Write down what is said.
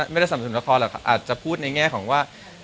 สนับสนุนละครหรอกอาจจะพูดในแง่ของว่า